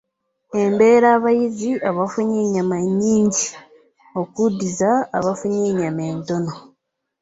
Embeera abayizzi abafunye ennyama enyingi okuddiza abafunye enyama entono.